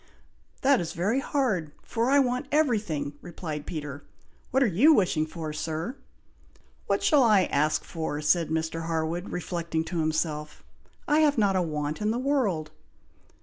"That is very hard, for I want everything," replied Peter. "What are you wishing for, Sir?" "What shall I ask for?" said Mr. Harwood, reflecting to himself. "I have not a want in the world?"